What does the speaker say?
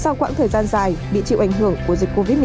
sau quãng thời gian dài bị chịu ảnh hưởng của dịch covid một mươi chín